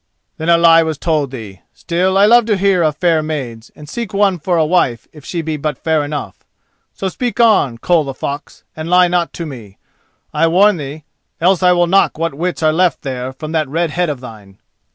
"Then a lie was told thee. Still, I love to hear of fair maids, and seek one for a wife if she be but fair enough. So speak on, Koll the Fox, and lie not to me, I warn thee, else I will knock what wits are left there from that red head of thine."